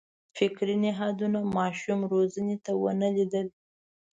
فکري نهادونو ماشوم روزنې ته ونه لېدل.